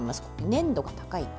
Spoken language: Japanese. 粘度が高い。